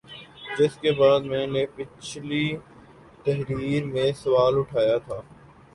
جس کے بعد میں نے پچھلی تحریر میں سوال اٹھایا تھا